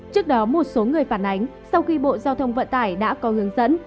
trước đó một số người phản ánh sau khi bộ giao thông vận tải đã có hướng dẫn